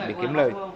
để kiếm lời